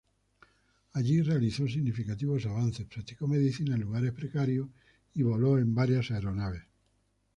Allí realizó significativos avances, practicó medicina en lugares precarios, y voló en varias aeronaves.